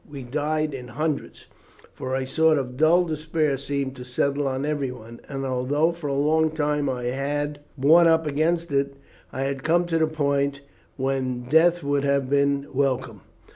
We died in hundreds, for a sort of dull despair seemed to settle on everyone; and, although for a long time I had borne up against it, I had come to the point when death would have been welcome.